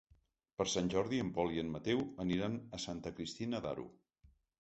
Per Sant Jordi en Pol i en Mateu aniran a Santa Cristina d'Aro.